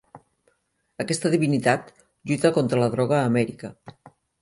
Aquesta divinitat lluita contra la droga a Amèrica.